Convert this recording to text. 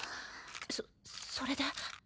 そそれで？